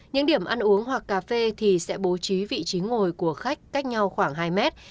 những điểm ăn uống hoặc cà phê thì sẽ bố trí vị trí ngồi của khách cách nhau khoảng hai mét